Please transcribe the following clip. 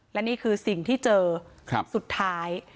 และนี่คือสิ่งที่เจอสุดท้าย